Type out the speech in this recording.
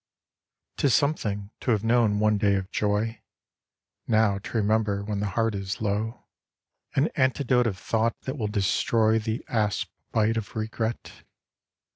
'Tis something to have known one day of joy, Now to remember when the heart is low, a* AN OLD PAIN 85 An antidote of thought that will destroy The asp bite of Regret.